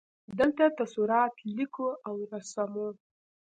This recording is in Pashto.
دلته تصورات لیکو او رسموو.